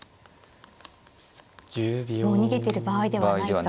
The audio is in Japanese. もう逃げてる場合ではないと。